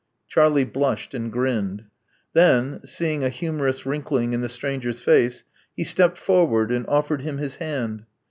Charlie blushed, and grinned. Then, seeing a humorous wriijkling in the stranger's face, he stepped forwJ|d and offered him his hand.